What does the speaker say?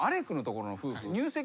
入籍